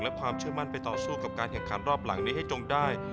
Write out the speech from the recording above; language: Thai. และความเชื่อมั่นไปต่อสู้กับการแข่งขันรอบหลังนี้ให้จงได้